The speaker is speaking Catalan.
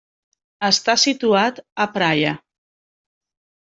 Està situat a Praia.